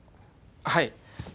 はい。